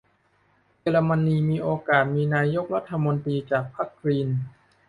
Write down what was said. เยอรมนีมีโอกาสมีนายกรัฐมนตรีจากพรรคกรีน ?